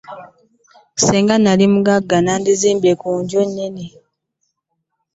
Singa nnali mugagga nandizimbye ku nju ennene.